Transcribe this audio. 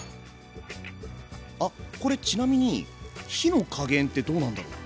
あっこれちなみに火の加減ってどうなんだろう？